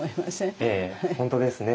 ええ本当ですね。